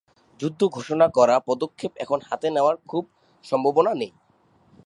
যুদ্ধ ঘোষণা করার পদক্ষেপ এখন হাতে নেওয়ার খুব সম্ভাবনা নেই।